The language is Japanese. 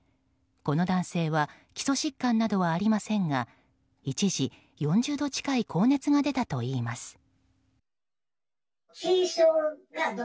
この男性は基礎疾患などはありませんが一時、４０度近い高熱が出たといいます。